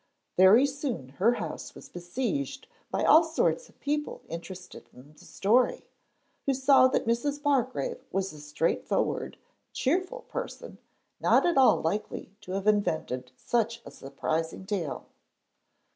Very soon her house was besieged by all sorts of people interested in the story, who saw that Mrs. Bargrave was a straightforward, cheerful person, not at all likely to have invented such a surprising tale.